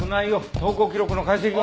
投稿記録の解析は？